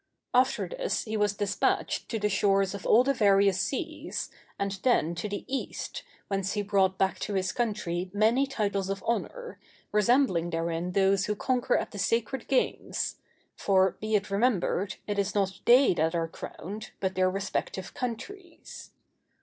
After this, he was despatched to the shores of all the various seas, and then to the East, whence he brought back to his country many titles of honor, resembling therein those who conquer at the sacred games—for, be it remembered, it is not they that are crowned, but their respective countries.